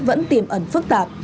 ẩn phức tạp